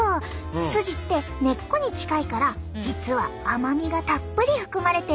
スジって根っこに近いから実は甘みがたっぷり含まれているんだ。